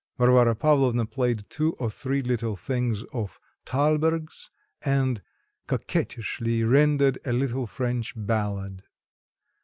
Varvara Pavlovna played two or three little things of Thalberg's, and coquettishly rendered a little French ballad.